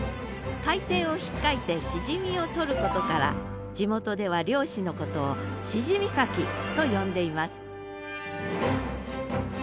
海底をひっかいてシジミをとることから地元では漁師のことを「シジミ掻き」と呼んでいます